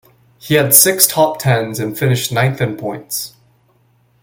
He had six top-tens and finished ninth in points.